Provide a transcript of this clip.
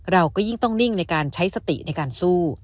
เราก็ยิ่งต้องนิ่งในการใช้สติในการสู้